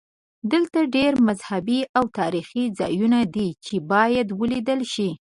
دلته ډېر مذهبي او تاریخي ځایونه دي چې باید ولیدل شي.